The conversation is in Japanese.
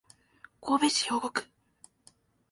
神戸市兵庫区